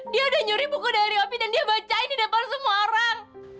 dia udah nyuri buku dari opi dan dia bacain di depan semua orang